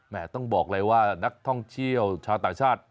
ต้องบอกเลยว่านักท่องเที่ยวชาวต่างชาติ